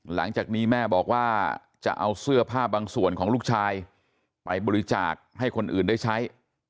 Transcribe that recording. หลังจากนี้แม่บอกว่าจะเอาเสื้อผ้าบางส่วนของลูกชายไปบริจาคให้คนอื่นได้ใช้